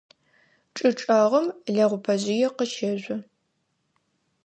ЧӀы чӀэгъым лэгъупэжъые къыщэжъо.